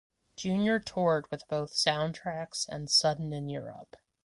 Junior toured with both Soundtracks and Sudden in Europe.